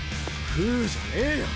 「フゥ」じゃねえよ！